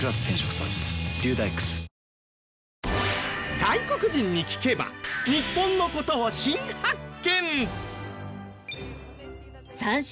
外国人に聞けば日本の事を新発見！